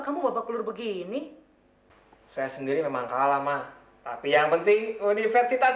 tunggu sekeliling waktu